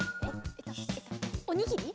おにぎり？